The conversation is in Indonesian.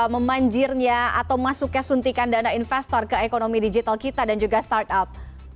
memanjirnya atau masuknya suntikan dana investor ke ekonomi digital kita dan juga startup